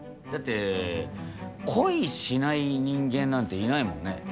だって恋しない人間なんていないもんね。